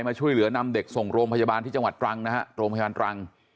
มาช่วยเหลือนำเด็กส่งโรงพยาบาลที่จังหวัดตรังนะฮะโรงพยาบาลตรัง